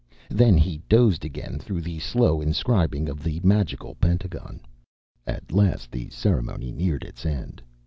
Then he dozed again through the slow inscribing of the magical pentagon. At last the ceremony neared its end.